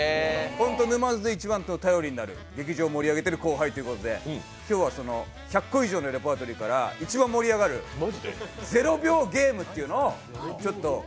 本当に沼津で一番頼りになる劇場を盛り上げている後輩ということで今日はその１００個以上のレパートリーから一番盛り上がる「システマ」